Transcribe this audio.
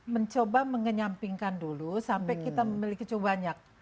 mencoba mengenyampingkan dulu sampai kita memiliki kecobanya